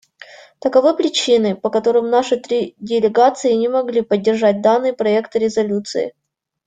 Таковы причины, по которым наши три делегации не могли поддержать данный проект резолюции.